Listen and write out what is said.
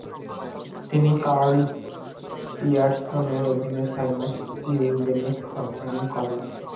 তিনি কার্ল পিয়ারসনের অধীনে ছয় মাস ইউজেনিক্স অধ্যয়ন করেন।